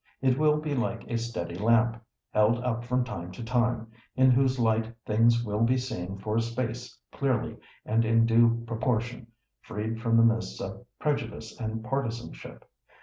It will be like a steady lamp, held up from time to time, in whose light things will be seen for a space clearly and in due proportion, freed from the mists of prejudice and partisanship.